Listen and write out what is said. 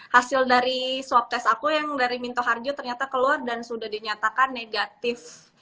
hasil dari swab tes aku yang dari minto harjo ternyata keluar dan sudah dinyatakan negatif